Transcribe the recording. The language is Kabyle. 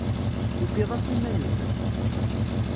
Tufiḍ akk iman-im?